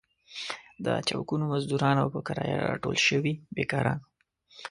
د چوکونو مزدوران او په کرايه راټول شوي بېکاران وو.